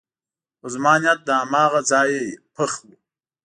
خو زما نیت له هماغه ځایه پخ و.